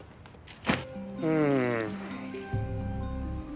うん。